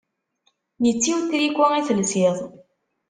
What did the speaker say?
Yetti utriku i telsiḍ.